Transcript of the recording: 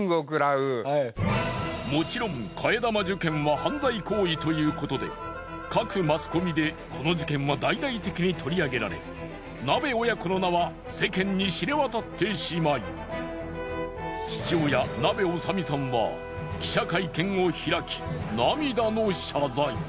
もちろん替え玉受験は犯罪行為ということで各マスコミでこの事件は大々的に取り上げられなべ親子の名は世間に知れ渡ってしまい父親なべおさみさんは記者会見を開き涙の謝罪。